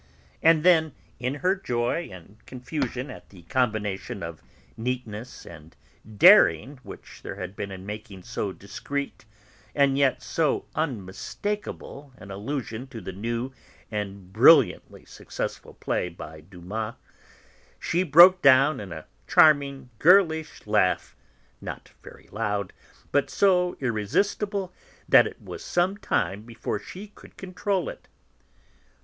And then, in her joy and confusion at the combination of neatness and daring which there had been in making so discreet and yet so unmistakable an allusion to the new and brilliantly successful play by Dumas, she broke down in a charming, girlish laugh, not very loud, but so irresistible that it was some time before she could control it.